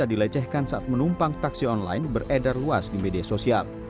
pembuangan handphone milik korban tidak dilecehkan saat menumpang taksi online beredar luas di media sosial